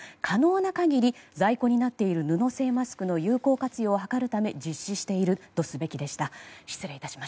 可能な限り在庫になっている布製マスクの有効活用を図るため実施しているとすべきでした。